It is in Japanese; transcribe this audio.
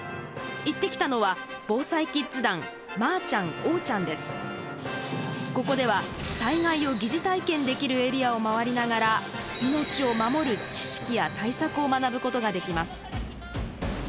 行ってきたのはここでは災害を疑似体験できるエリアを回りながら命を守る知識や対策を学ぶことができます。